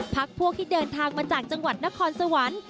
พักพวกที่เดินทางมาจากจังหวัดนครสวรรค์